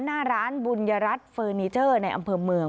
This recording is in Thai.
หน้าร้านบุญยรัฐเฟอร์นิเจอร์ในอำเภอเมือง